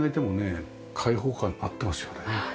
開放感になってますよね。